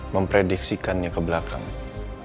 memprediksikannya ke belakangnya